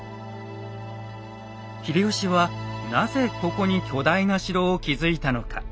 秀吉はなぜここに巨大な城を築いたのか。